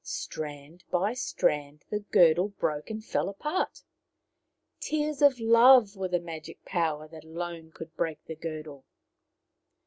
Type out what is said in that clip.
Strand by strand the girdle broke and fell apart. Tears of love were the magic power that alone could break the girdle.